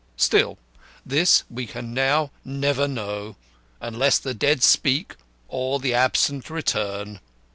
Still, this we can now never know, unless the dead speak or the absent return.